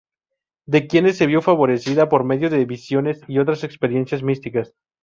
De quienes se vio favorecida por medio de visiones y otras experiencias místicas.